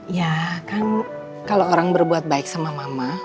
ya kan kalau orang berbuat baik sama mama